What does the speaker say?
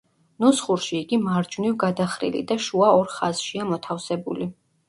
ნუსხურში იგი მარჯვნივ გადახრილი და შუა ორ ხაზშია მოთავსებული.